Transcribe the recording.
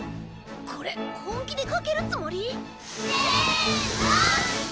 これ本気で掛けるつもり？せの！